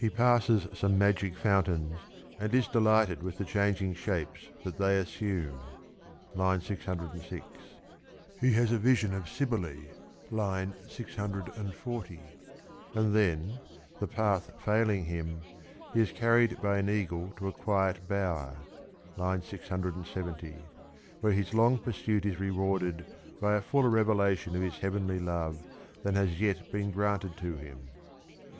28 passes some magic fountains and is delighted with the changing shapes that they assume (606); he has a vision of Cybele (640); and then, the path failing him, he is carried by an eagle to a quiet bower (670) where his long pursuit is rewarded by a fuller revelation of his heavenly love than has yet been granted to him.